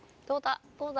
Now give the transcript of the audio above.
どうだ？